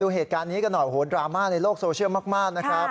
เหตุการณ์นี้กันหน่อยโอ้โหดราม่าในโลกโซเชียลมากนะครับ